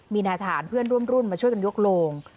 มีนาฐานเพื่อนร่วมรุ่นมาช่วยกันยกโลง